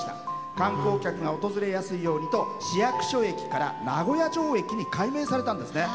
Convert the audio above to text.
観光客が訪れやすいようにと市役所駅から名古屋城駅に改名されたんですね。